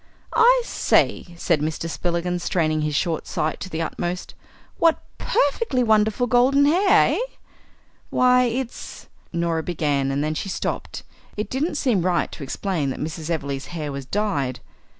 "I say," said Mr. Spillikins, straining his short sight to the uttermost, "what perfectly wonderful golden hair, eh?" "Why, it's " Norah began, and then she stopped. It didn't seem right to explain that Mrs. Everleigh's hair was dyed.